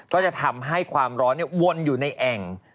ก็จะทำให้ความร้อนวนอยู่ในแอ่ง